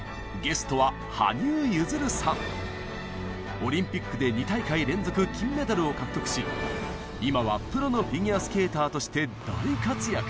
オリンピックで２大会連続金メダルを獲得し今はプロのフィギュアスケーターとして大活躍。